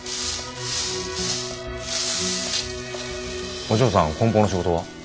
お嬢さんこん包の仕事は？